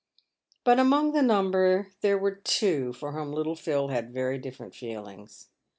But among* the number there were two for whom little Phil had very different feelings.